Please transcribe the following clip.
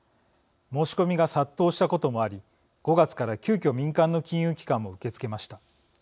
申し込みが殺到したこともあり５月から急きょ民間の金融機関も受け付けました。